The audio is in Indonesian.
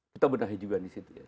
kita benahi juga di situ ya